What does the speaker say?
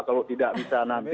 kalau tidak bisa nanti